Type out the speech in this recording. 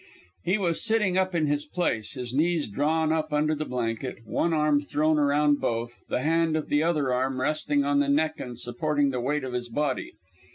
He was sitting up in his place, his knees drawn up under the blanket, one arm thrown around both, the hand of the other arm resting on the neck and supporting the weight of his body.